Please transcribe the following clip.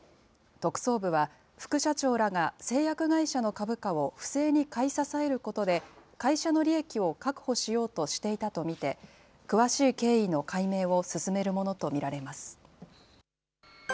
特捜部は副社長らが製薬会社の株価を不正に買い支えることで、会社の利益を確保しようとしていたと見て、詳しい経緯の解明を進めるものと見られます。